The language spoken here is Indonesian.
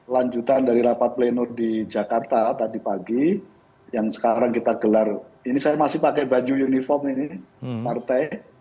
lanjutan dari rapat pleno di jakarta tadi pagi yang sekarang kita gelar ini saya masih pakai baju uniform ini partai